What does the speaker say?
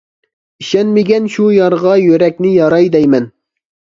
ئىشەنمىگەن شۇ يارغا، يۈرەكنى ياراي دەيمەن.